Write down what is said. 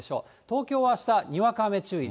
東京はあした、にわか雨注意。